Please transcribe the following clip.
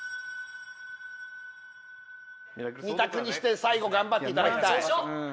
２択にして最後頑張っていただきたい